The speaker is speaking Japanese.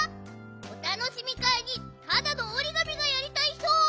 おたのしみかいにただのおりがみがやりたいひと！